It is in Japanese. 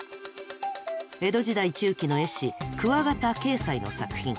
江戸時代中期の絵師鍬形斎の作品。